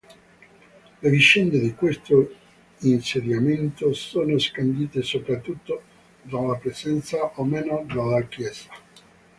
Le vicende di questo insediamento sono scandite soprattutto dalla presenza o meno della chiesa.